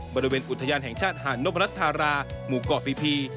บริเวณอุทยานแห่งชาติหาดนพรัชธาราหมู่เกาะปีพี